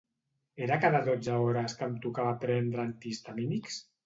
Era cada dotze hores que em tocava prendre antihistamínics?